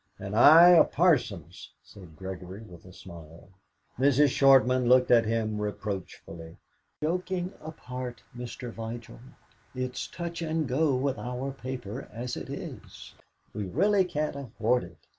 "And I a parson's," said Gregory, with a smile. Mrs. Shortman looked at him reproachfully. "Joking apart, Mr. Vigil, it's touch and go with our paper as it is; we really can't afford it.